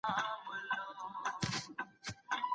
افغانستان د بهرنیو اتباعو د بې ځایه نیولو ملاتړ نه کوي.